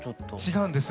違うんです。